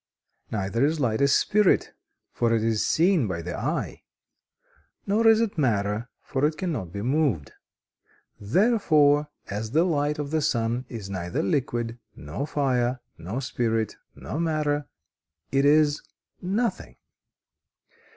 Neither is light a spirit, for it is seen by the eye; nor is it matter, for it cannot be moved. Therefore, as the light of the sun is neither liquid, nor fire, nor spirit, nor matter, it is nothing!"